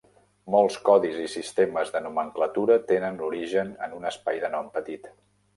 Molts codis i sistemes de nomenclatura tenen l'origen en un espai de nom petit.